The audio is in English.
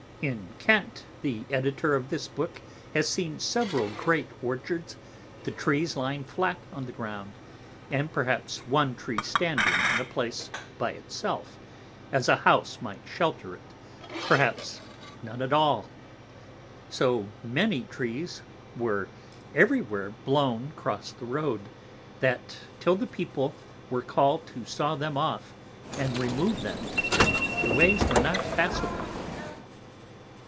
In Kent the Editor of this Book has seen several great Orchards, the Trees lying flat on the Ground, and perhaps one Tree standing in a place by it self, as a House might shelter it, perhaps none at all. So many Trees were every where blown cross the Road, that till the People were call'd to saw them off, and remove them, the ways were not passable.